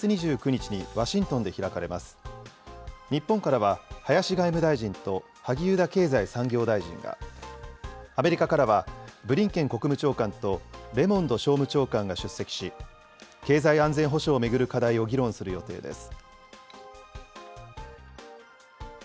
日本からは林外務大臣と萩生田経済産業大臣が、アメリカからはブリンケン国務長官とレモンド商務長官が出席し、経済安全保障を巡る課題を議論する予定です。